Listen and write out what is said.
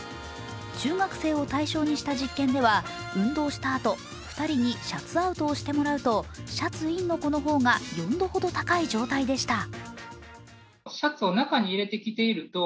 中学生を対象にした実験では運動した後、２人にシャツアウトしてもらうとシャツインの子の方が４度ほど高い状態でした。